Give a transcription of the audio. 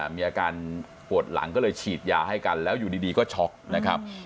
มีอาการปวดหลังก็เลยฉีดยาให้กันแล้วอยู่ดีก็ช็อกนะครับ